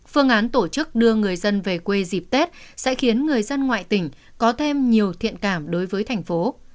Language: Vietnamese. phương án tổ chức đưa người dân về quê dịp tết sẽ khiến người dân ngoại tỉnh có thêm nhiều thiện cảm đối với thành phố